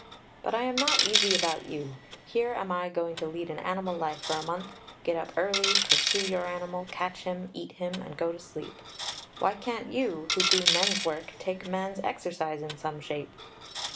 But I am not easy about you. Here am I going to lead an animal life for a month, get up early, pursue your animal, catch him, eat him, and go to sleep. Why can't you, who do men's work, take man's exercise in some shape?...